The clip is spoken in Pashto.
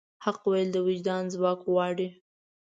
حق ویل د وجدان ځواک غواړي.